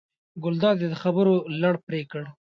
ګلداد یې د خبرو لړ پرې کړ.